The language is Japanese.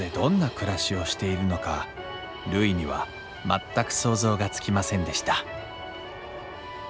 るいには全く想像がつきませんでした